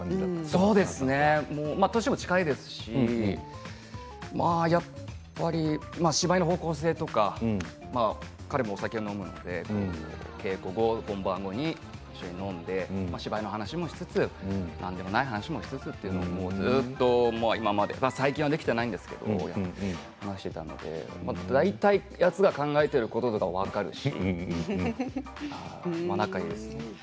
そうですね年も近いですしやっぱり芝居の方向性とか彼もお酒を飲むので稽古後、本番後に一緒に飲んで芝居の話もしつつ何でもない話もしつつずっと今まで最近はできていないんですけど話していたので大体やつが考えていることとかも分かるし仲がいいです。